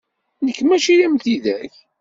Nekk mačči am tidak.